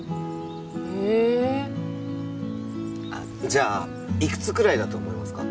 へえっあっじゃあいくつくらいだと思いますか？